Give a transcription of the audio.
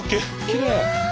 きれい。